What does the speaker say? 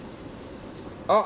あっ！